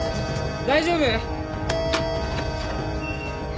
大丈夫？